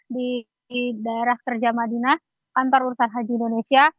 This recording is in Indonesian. di daerah kerja madinah kantor urusan haji indonesia